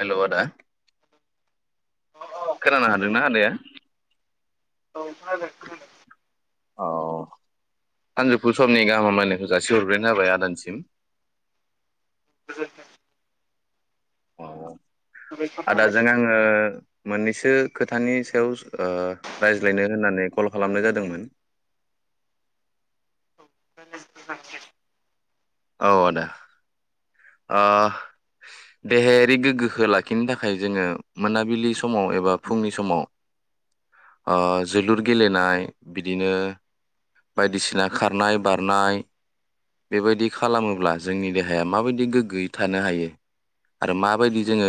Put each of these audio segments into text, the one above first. Hello आदा अ अ खोना हादोंना आदाया औ खोनादो औ सानजौफु समनि गाहामलायनायखौ जासिहरग्रोनाय जाबाय आदानिसिम [unintelligible] औ साबायखर थाबाय आदाजों आङो मोननैसो खोथानि सायाव स ओ रायज्लायनो होननानै कल खालामनाय जादोंमोन औ आदा ओ देहायारि गोग्गोखो लाखिनो थाखाय जोङो मोनाबिलि समाव एबा फुंनि समाव ओ जोलुर गेलेनाय बिदिनो बायदिसिना खारनाय बारनाय बेबायदि खालामोब्ला जोंनि देहाया माबायदि गोग्गोयै थानो हायो आरो माबायदि जोङो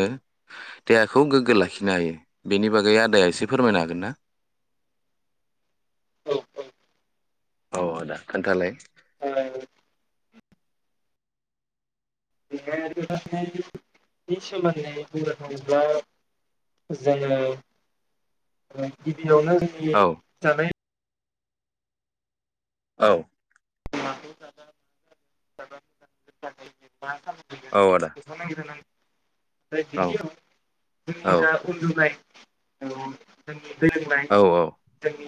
देहाखौ गोग्गो लाखिनो हायो बेनि बागै आदाया एसे फोरमायनो हागोन ना औ- औ औ आदा खोन्थालाय ओ [unintelligible] नि सोमोन्दै बुंनो थाङोब्ला जोङो ओ गिबि गिबियावनो जोंनि औ जानाय औ [unintelligible] औ आदा [unintelligible] औ औ [unintelligible] [unintelligible] फोरोंनाय औ जोंनि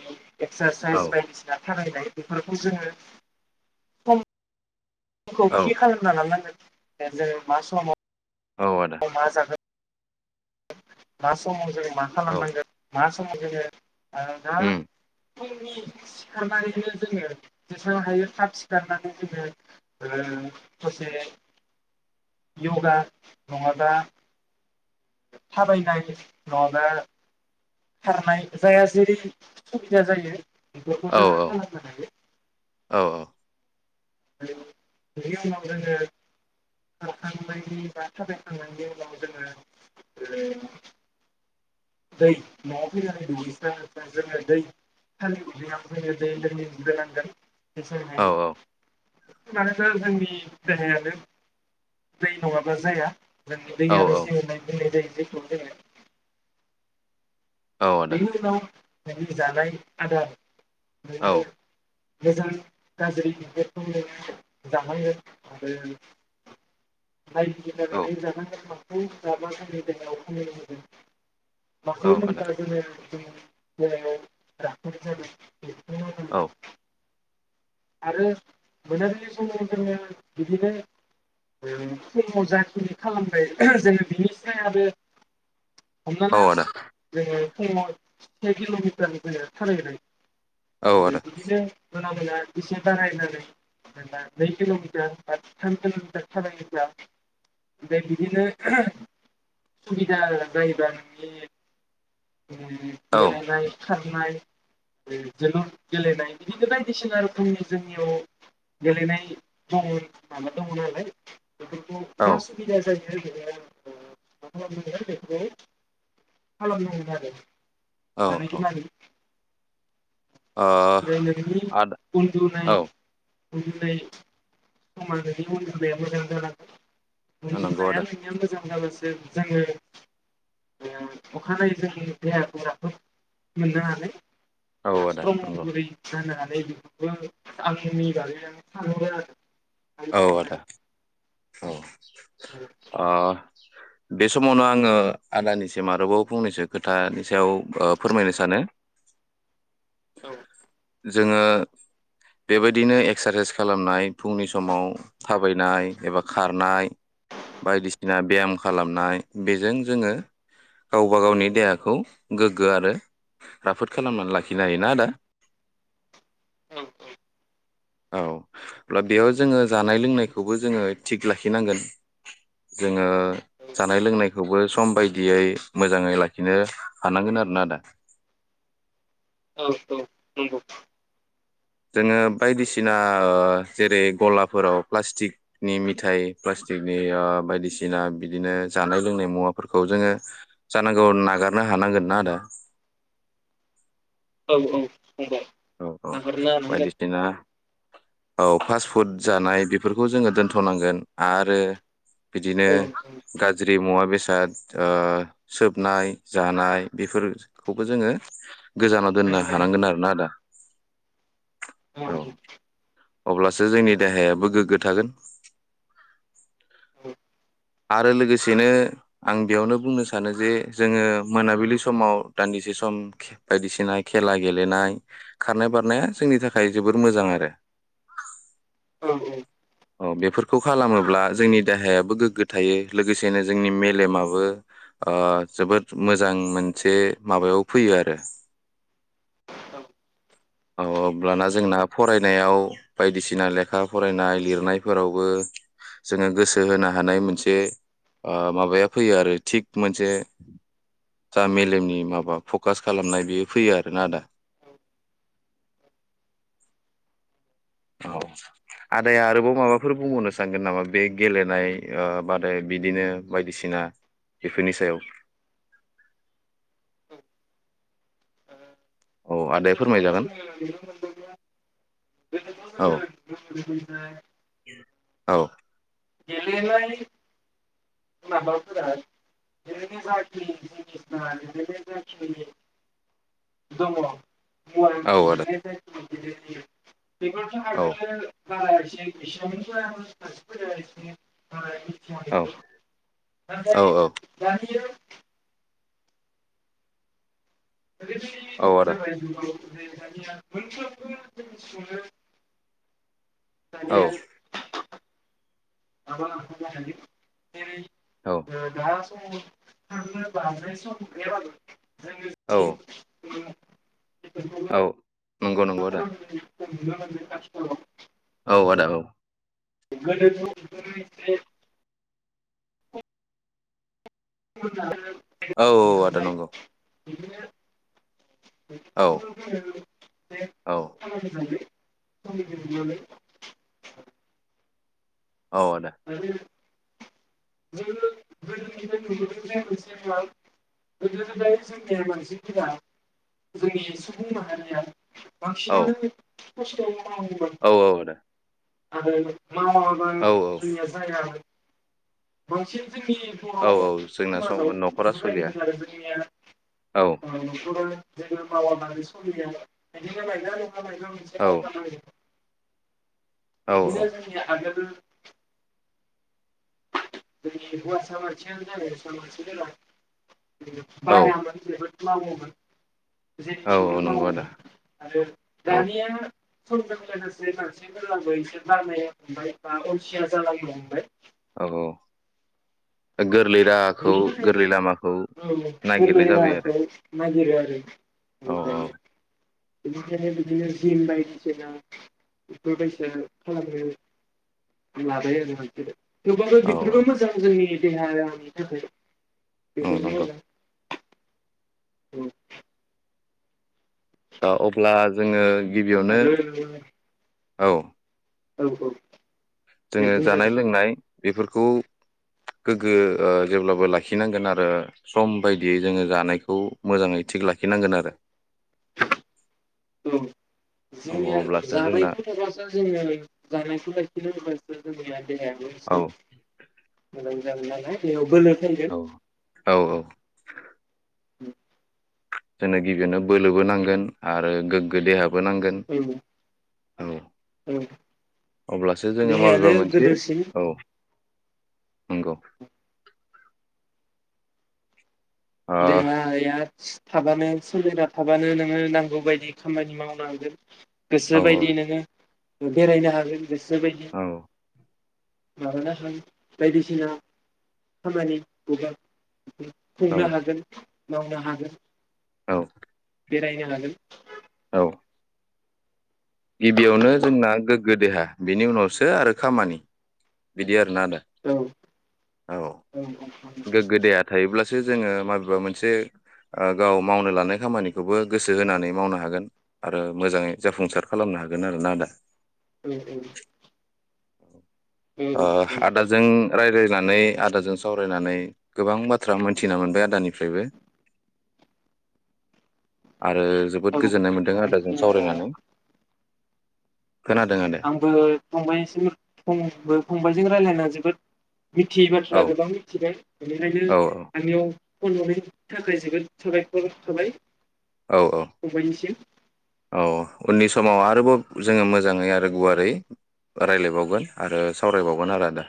औ एक्सारसाइस बायदिसिना खालायनाय बेफोरखौ जोङो सम खौ थि खालामना लानांगोन दा जों मा समाव औ आदा मा जागोन मा समाव जों मा औ खालामनांगोन मा समाव जोङो आदा उम फुंनि सिखारनानैनो जोङो जेसेबां हायो थाब सिखारनानै जोङो ओ ससे यगा नङाबा थाबायनाय नङाबा खारनाय जाया जेरै सुबिदा जायो बेफोरखौ औ जों खालामनो हायो औ बिनि उनाव जोङो खारखांनायनि बा थाबायखांनायनि उनाव जोङो ओ दै नआव फैनानै दुगैस्रां लोबस्रां जोङो दै हानि दैहुआव दै लोंग्रोनांगोन [unintelligible] जेसां औ हायो औ मानोना जोंनि देहायानो दै नङाबा जाया औ औ जोंनि [unintelligible] दै [unintelligible] औ [unintelligible] आदा जोङो जानाय आदार औ [unintelligible] मोजां गाज्रि [unintelligible] नोङो जानांगोन आरो नाय बिजिरनो रोंनाय जानांगोन मा पुद जाब्ला जोंनि देहायाव खामानि होगोन माखौ औ नों आदा [unintelligible] [unintelligible] औ आरो मोनाबिलि समाव जोङो बिदिनो ओं फुङो जाखिनि खालामनाय जोङो बिनि सायादो औ आदा जोङो फुङो से किलमिटारनिफ्राय थाबायबोदों औ आदा औ आरो बिदिनो मोना मोना एसे बारायनानै जेनबा नै किलमिटार बा थाम किल मिटार थाबायोब्ला ओमफ्राय बिदिनो सुबिदा जायोबा माने ओम गेलेनाय खारनाय जोलुर गेलेनाय बिदिनो बायदिसिना रखमनि जोंनियाव गेलेनाय दङ माबा दङ नालाय बेफोरखौ जा सुबिदा जायो [unintelligible] [unintelligible] औ [unintelligible] ओ आदा [unintelligible] उन्दुनाय औ उनदुनाय समा नोंनि उन्दुनाया मोजां जानांगोन नंगौ उन्दुनाया आदा नोंनिआ मोजां होमबाबोसो जोङो ओम अखानायै जोंनि देहाखौ राफोद मोननो हागोन औ आदा [unintelligible] नंगौ जानो हानाय बेखौबो आंनि बागै आं सानहरो आरो आंनि औ आदा साननायाव औ औ अ बे समावनो आङो आदानिसिम आरोबाव फंनैसो खोथा नि सायाव ओ फोरमायनो सानो औ जोङो बेबायदिनो एक्सारसाइस खालामनाय फुंनि स समाव थाबायनाय एबा खारनाय बायदिसिना बेयाम खालामनाय बेजों जोङो गावबा गावनि देहाखौ गोग्गो आरो राफोद खालामनान लाखिनो हायो ना आदा औ औ औ अब्ला बेयाव जोङो जानाय लोंनायखौबो जोङो थिख लाखिनांगोन जोङो जानाय लोंनायखौबो सम बायदियै मोजाङै लाखिनो हानांगोन आरो ना आदा औ औ नंगौ जोङो बायदिसिना ओ जेरै गलाफोराव प्लास्टिकनि मिथाइ प्लास्टिकनि ओ बायदिसिना बिदिनो जानाय लोंनाय मुवाफोरखौ जोङो जानांगौ नागारनो हानांगोन ना आदा औ औ फंबाय औ औ नागारनो हानांगोन बायदिसिना औ फास्ट फुड जानाय बेफोरखौ जोङो दोनथनांगोन आरो बिदिनो औ गाज्रि मुवा बे दा आ ओ सोबनाय जानाय बेफोरखौबो जोङो गोजानाव दोननो रोंबाय हानांगोन आरो ना आदा औ औ अब्लासो जोंनि देहायाबो गोग्गो थागोन औ आरो लोगोसेनो आं बेयावनो बुंनो सानो जे जोङो मोनाबिलि समाव दान्दिसे सम बायदिसिना खेला गेलेनाय खारनाय बारनाया जोंनि थाखाय जोबोर मोजां आरो औ औ अ बेफोरखौ खालामोब्ला जोंनि देहायाबो गोग्गो थायो लोगोसेनो जोंनि मेलेमाबो ओ जोबोद मोजां मोनसे माबायाव फैयो आरो औ अब्लाना जोंना फरायनायाव बायदिसिना लेखा फरायनाय लिर रनायफोरावबो जोङो गोसो होनो हानाय मोनसे ओ माबाया फैयो आरो थिग मोनसे जा मेलेमनि माबा फकास खालामनाय बेयो फैयो आरोना आदा औ आदाया आरोबाव माबाफोर बुंबावनो सानगोन नामा बे गेलेनाय ओ बादाय बिदिनो बायदिसिना बेफोरनि सायाव औ आदाया गोदोथ जोङो फोरमायजागोन नुनो मोनदोंमोन गोदोथ औ जोङो [inaudible] औ गेलेनाय माबाफोरा [inaudible] दङ [unintelligible] औ आदा [unintelligible] बेफोरथ औ आगोलो [unintelligible] औ [unintelligible] औ नाथाइ दा [inaudible] औ [unintelligible] आदा [unintelligible] दानिया मोनफ्रोमबो जिनिसखौनो औ दानिया माबा नांगौ जानानै जेरै ओ दा [unintelligible] खारनो बारनो सम गैया बाबो। जोङो औ जि [unintelligible] बेफोरखौबो औ नंगौ नंगौ आदा [unintelligible] औ आदा औ गोनोखो [unintelligible] [unintelligible] औ औ आदा नंगौ औ बिदिनो औ [unintelligible] [unintelligible] औ आदा आरो जोङो गोदोनिफ्राय नुबोदों जे मोनसे गोदो गोदाय जोंनिया मानसिफोरा जोंनि सुबुं माहारिया बांसिन औ आनो खस्थ मावोमोन औ औ आदा आरो मावाबा औ जोंनिया जाया आरो [inaudible] जोंनि औ बर औ जोंना समाजाव सम न'खरा सोलिया बेफोरबायदिनो आरो जोंनिया औ ओ नखराव जोङो मावाबानो सोलिया आरो बा मायबा मोनसे मावबा मायो। औ बिदिनो जोंनिआ आगोल [unintelligible] [inaudible] औ औ मावोमोन औ जेरैथिंबो औ मावोमोन नंगौ आदा आरो औ दानिया [inaudible] अलसिया जालांनो हमबाय औ औ गोरलै राहाखौ बेनि गोरलै लामाखौ थाखायनो औ गोरलै नागिरनाय जाबाय आरो राहाखौ नागिरो आरो औ बिनिखायनो बिदिनो जिम बायदिसिना बेफोरबायसा खालामनो लाबाय आरो मानसिया थेवबाबो औ बेफोरबो मोजां जोंनि [inaudible] औ बेफोरबो नंगौ मोजां औ दा अब्ला जोङो गिबियावनो आरो औ औ औ दे जोङो जानाय बुंजागोन लोंनाय बेफोरखौ गोग्गो ओ जेब्लाबो लाखिनांगोन आरो सम बायदियै जोङो जानायखौ मोजाङै थिग लाखिनांगोन आरो औ औ जोंनिया [inaudible] अब्लासो [inaudible] जोंना देहायाबो औ एसे मोजां बेयाव बोलो औ औ औ [unintelligible] जोंनो गिबियैनो बोलोबो नांगोन आरो गोग्गो देहाब बोनांगोन औ औ औ अब्लासो जोङो देहायानो माबेबा मोनसे गोदोरसिन औ नंगौ ओ देहाया थाबानो सोलिना थाबानो नोङो नांगौ बायदि खामानि मावनो हागोन। गोसो औ बायदि नोङो बेरायनो हागोन। गोसो बायदि औ मानोना [unintelligible] बायदिसिना खामानि [inaudible] [inaudible] औ मावनो हागोन औ बेरायनो हागोन औ गिबियावनो जोंना गोग्गो देहा बिनि उनावसो आरो खामानि बिदि आरो । औ- औ गोगो देहा थायोब अब्लासो जोङो माबेबा मोनसे ओ गाव मावनो लानाय खामानिखौबो गोसो होनानै मावनो हागोन आरो मोजाङै जाफुंसार खालामनो हागोन आरोना आदा उम - उम ओ आदाजों रायलाय नानै आदाजों सावरायनानै गोबां बाथ्रा मोनथिना मोनबाय आदानिफ्रायबो । आरो जोबोद औ गोजोननाय मोन्दों आदाजों सावरायनानै । आंबो फंबायनिसिम फंबो फंबायजों रायलायना जोबोद मिथियै औ बाथ्रा गोबां मिथिबाय बेनिखायनो औ आंनियाव फन हरनायनि थाखाय जोबोद साबायखर थाबाय औ औ फंबायनिसिम औ उननि समाव आरोबाव जोङो मोजाङै आरो गुवारै रायलायबावगोन आरो सावरायबावगोन आरो आदा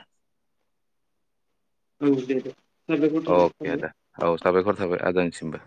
औ दे दे साबायखर अ थाबाय के फंबाय आदा औ साबायखर थाबाय आदानि सिमबो